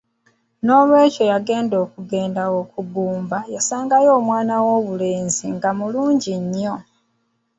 N’olwekyo yagenda okugenda ku ggumba, yasangawo omwana ow’obulenzi nga mulungi nnyo.